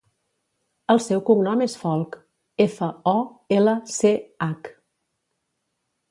El seu cognom és Folch: efa, o, ela, ce, hac.